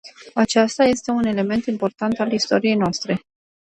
Acesta este un element important al istoriei noastre.